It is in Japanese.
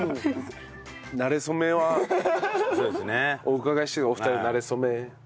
お伺いしてお二人のなれ初め。